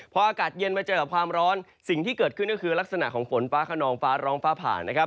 พออากาศเย็นมาเจอกับความร้อนสิ่งที่เกิดขึ้นก็คือลักษณะของฝนฟ้าขนองฟ้าร้องฟ้าผ่านนะครับ